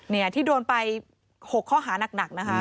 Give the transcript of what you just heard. เนี่ยที่โดนไป๖ข้อหานักนะคะ